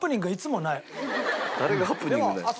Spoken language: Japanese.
誰がハプニングない。